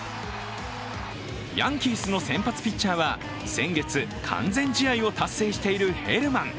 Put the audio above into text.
ヤンキースの先発ピッチャーは先月、完全試合を達成しているヘルマン。